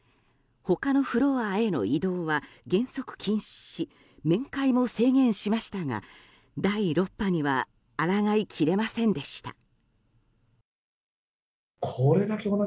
他のフロアへの移動は原則禁止し面会も制限しましたが第６波には抗いきれませんでした。